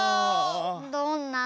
どんなの？